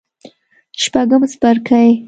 شپږم څپرکی